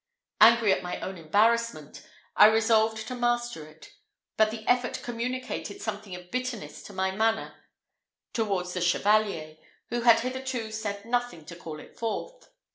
Angry at my own embarrassment, I resolved to master it; but the effort communicated something of bitterness to my manner towards the Chevalier, who had hitherto said nothing to call it forth.